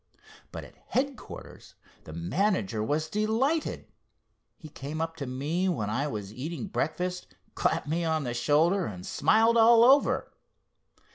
But at headquarters the manager was delighted. He came up to me when I was eating breakfast, clapped me on the shoulder and smiled all over.